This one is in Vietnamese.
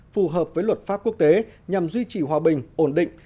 phù hợp với luật pháp quốc tế nhằm duy trì hòa bình ổn định